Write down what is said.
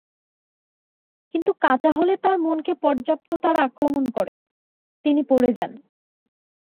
কিন্তু কাঁচা হলে তাঁর মনকে পর্যন্ত তারা আক্রমণ করে, তিনি পড়ে যান।